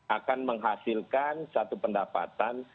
akan menghasilkan satu pendapatan